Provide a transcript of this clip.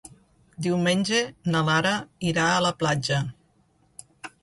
Diumenge na Lara irà a la platja.